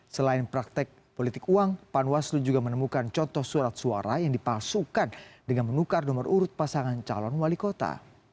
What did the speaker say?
selain praktek politik uang panwaslu juga menemukan contoh surat suara yang dipalsukan dengan menukar nomor urut pasangan calon wali kota